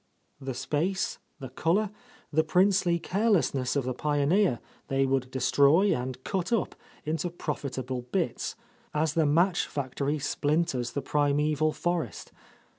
The space, the colour, the princely carelessness of the pioneer they would destroy and cut up into profitable bits, as the match factory splinters the primeval forest.